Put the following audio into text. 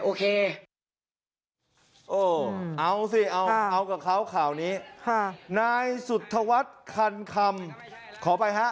โอเคโอ้เอาสิเอาเอากับเขาข่าวนี้ค่ะนายสุธวัฒน์คันคำคำขอไปฮะ